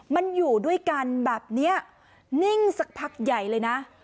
มันอยู่ด้วยกันแบบนี้นิ่งสักพักใหญ่เลยนะ